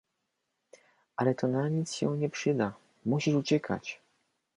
"Ale to na nic się nie przyda... musisz uciekać."